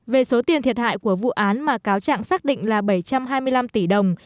về số tiền thiệt hại của vụ án mà cáo trạng xác định là bảy trăm hai mươi năm tỷ đồng